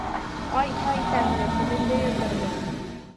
Ай-һай тәмле, теленде йоторлоҡ.